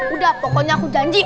udah pokoknya aku janji